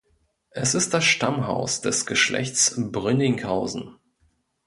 Es ist das Stammhaus des Geschlechtes Brünninghausen.